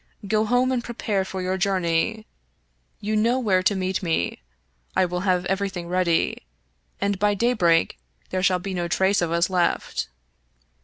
Go home and prepare for your journey. You know where to meet me. I will have everything ready, and by day break there shall be no trace of us left.